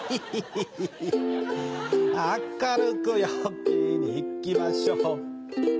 明るく陽気に、いきましょう。